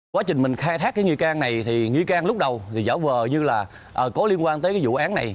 quá trình mình khai thác cái nghi can này thì nghi can lúc đầu thì giả vờ như là có liên quan tới cái vụ án này